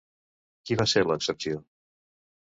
Qui va ser l'excepció?